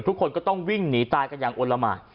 ทุกคนก็ต้องวิ่งหนีตายกันอย่างโอละหมาน